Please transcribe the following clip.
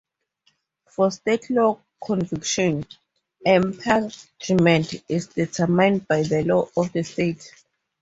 For state law convictions, expungement is determined by the law of the state.